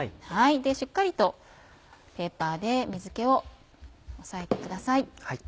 しっかりとペーパーで水気を押さえてください。